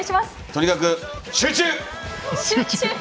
とにかく集中！